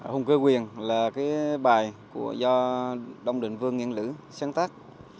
hùng cây quyền là cái bài do đông định vương nguyễn lữ sáng tác